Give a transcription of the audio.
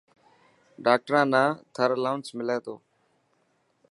ڊاڪٽران نا ٿر الاونس ملي تو.